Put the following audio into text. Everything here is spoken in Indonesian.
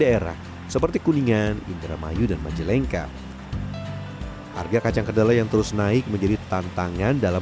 dalam sehari produsen tahu gejrot dapat memproduksi lebih dari tiga puluh ribu potong tahu gejrot yang di kinerjakan di manila